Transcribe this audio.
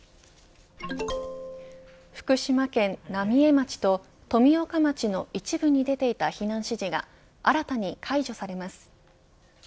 福島県浪江町と富岡町の一部に出ていた避難指示が新たに解除されます。